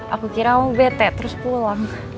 aku kira aku bete terus pulang